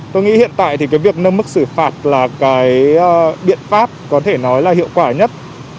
tôi nghĩ hiện tại việc nâng mức xử phạt là biện pháp có thể nói là hiệu quả nhất